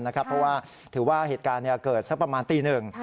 เพราะว่าถือว่าเหตุการณ์เกิดสักประมาณตีหนึ่ง